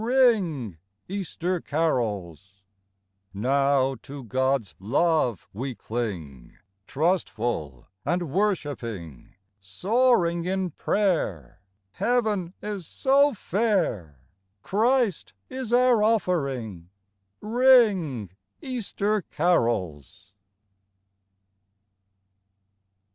Ring, Easter carols ! Now to God's love we cling, Trustful and worshipping, Soaring in prayer. Heaven is so fair, Christ is our offering. Ring, Easter carols